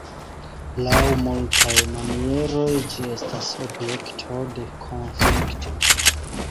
Laŭ multaj manieroj ĝi estas objekto de konflikto.